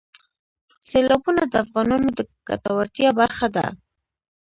سیلابونه د افغانانو د ګټورتیا برخه ده.